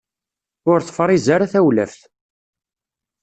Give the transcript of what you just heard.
Ur tefṛiz ara tewlaft.